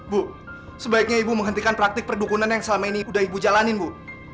bu sebaiknya ibu menghentikan praktik perdukunan yang selama ini udah ibu jalanin bu